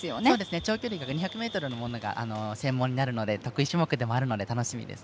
長距離２００ｍが専門なので得意種目でもあるので楽しみです。